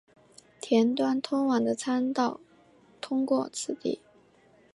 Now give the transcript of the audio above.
田端通往的参道通过此地。